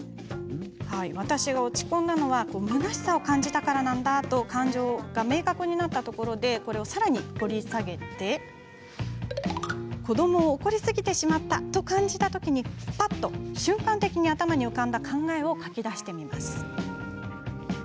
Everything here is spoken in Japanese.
私が落ち込んだのはむなしさを感じたからなんだと感情が明確になったところでさらに掘り下げて子どもを怒りすぎてしまったと感じたときにぱっと瞬間的に頭に浮かんだ考えを書き出します。